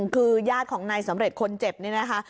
คือญาติของนายสำเร็จคนเจ็บนี่นะคะ